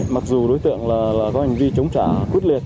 mặc dù đối tượng có hành vi chống trả quyết liệt